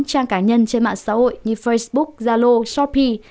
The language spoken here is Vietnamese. trang cá nhân trên mạng xã hội như facebook zalo shopee